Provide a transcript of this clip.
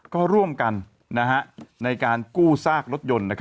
ก็ร่วมกันในการกู้ซากรถยนต์